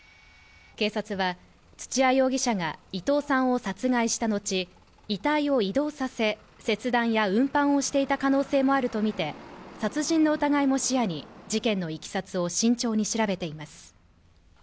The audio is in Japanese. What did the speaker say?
警察は土屋容疑者が伊藤さんを殺害したのち、遺体を移動させ、切断や運搬をしていた可能性もあるとみて殺人の疑いも視野に事件のいきさつを慎重に調べています。